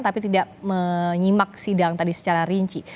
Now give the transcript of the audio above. tapi tidak menyimak sidang tadi secara rinci